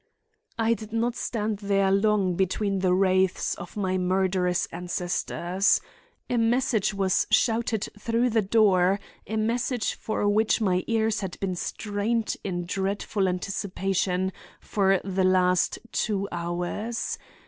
"I did not stand there long between the wraiths of my murderous ancestors. A message was shouted through the door—the message for which my ears had been strained in dreadful anticipation for the last two hours.